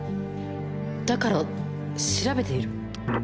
だから調べている？